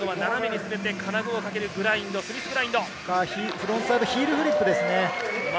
フロントサイドヒールフリップですね。